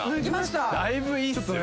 だいぶいいっすよね。